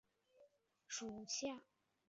延平柿为柿科柿属下的一个种。